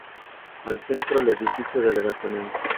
Al centro, el edificio delegacional.